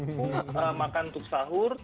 nah jadi pemilihan waktu makan untuk sahur